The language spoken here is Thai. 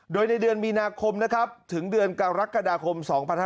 โดยในเดือนมีนาคมนะครับถึงเดือนกรกฎาคม๒๕๖๒